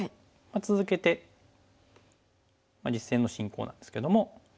続けて実戦の進行なんですけども。